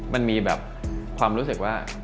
มันมีแบบความรู้สึกว่า